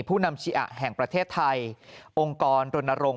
ผู้นำชิอะแห่งประเทศไทยองค์กรรณรงค